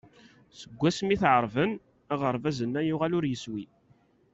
Seg wasmi i t-ɛerben, aɣerbaz-nneɣ yuɣal ur yeswi.